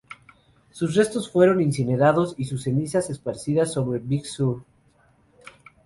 Sus restos fueron incinerados y sus cenizas esparcidas sobre Big Sur.